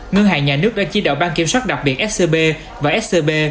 ngân hàng nhà nước đã chỉ đạo ban kiểm soát đặc biệt scb và scb